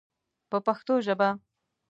په پښتو ژبه.